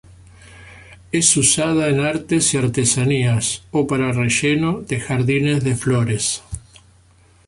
Es usada en artes y artesanías, o para relleno de jardines de flores.